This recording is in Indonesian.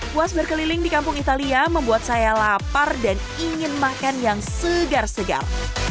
puas berkeliling di kampung italia membuat saya lapar dan ingin makan yang segar segar